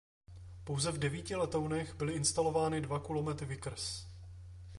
Pouze v devíti letounech byly instalovány dva kulomety Vickers.